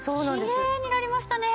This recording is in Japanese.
きれいになりましたね！